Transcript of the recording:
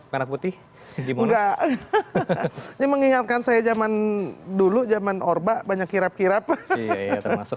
kanak putih di mana mengingatkan saya zaman dulu zaman orba banyak kirap kirap termasuk